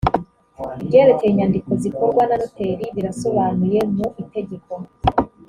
ibyerekeye inyandiko zikorwa na noteri birasobanuye mu itegeko